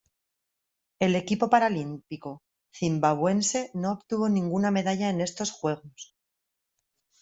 El equipo paralímpico zimbabuense no obtuvo ninguna medalla en estos Juegos.